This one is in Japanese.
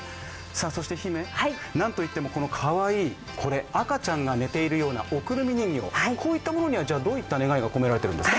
そして姫、何といってもかわいいこれ、赤ちゃんが寝ているようなおくるみ人形、こういったものにはこういったものにはどういった願いが込められているんですか。